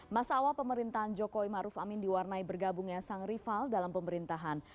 masa awal pemerintahan jokowi maruf amin diwarnai bergabungnya sang rival dalam pemerintahan